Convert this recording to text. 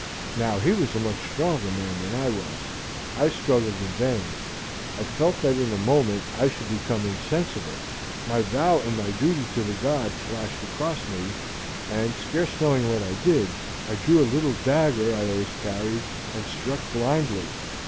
Now, he was a much stronger man than I was. I struggled in vain. I felt that in a moment I should become insensible; my vow and my duty to the god flashed across me, and scarce knowing what I did, I drew a little dagger I always carried, and struck blindly.